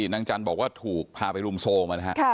นางจันทร์บอกว่าถูกพาไปรุมโทรมมานะฮะ